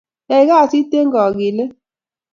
Yai kasit eng kakilet